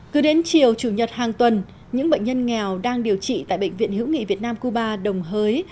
cứ đến chiều chủ nhật hàng tuần những bệnh nhân nghèo đang điều trị tại bệnh viện hữu nghị việt nam cuba đồng hới